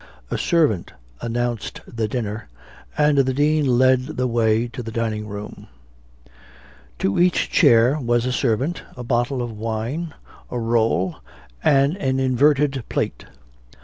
A servant announced the dinner, and the Dean led the way to the dining room. To each chair was a servant, a bottle of wine, a roll, and an inverted plate.